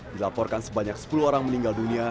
dilaporkan sebanyak sepuluh orang meninggal dunia